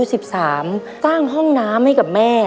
สร้างห้องน้ำให้กับแม่